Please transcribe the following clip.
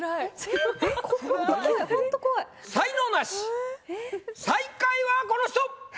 才能ナシ最下位はこの人！